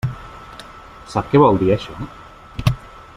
Sap què vol dir això?